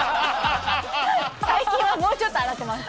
最近はもうちょっと洗ってます。